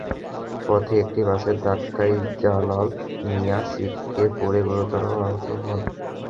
পথে একটি বাসের ধাক্কায় জালাল মিয়া ছিটকে পড়ে গুরুতর আহত হন।